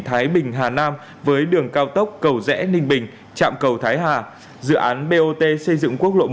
thái bình hà nam với đường cao tốc cầu rẽ ninh bình trạm cầu thái hà dự án bot xây dựng quốc lộ một